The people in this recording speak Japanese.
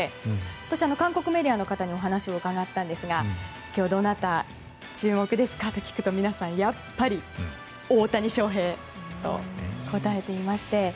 私、韓国メディアの方にお話を伺ったんですが今日どなた注目ですかと聞くと皆さん、やっぱり大谷翔平と答えていまして。